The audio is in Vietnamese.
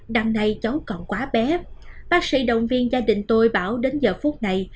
đằng này cháu còn quá bé bác sĩ đồng viên gia đình tôi bảo đến giờ phút này